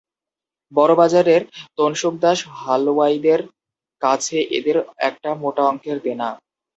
বড়োবাজারের তনসুকদাস হালওয়াইদের কাছে এদের একটা মোটা অঙ্কের দেনা।